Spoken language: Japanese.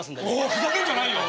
ふざけんじゃないよ！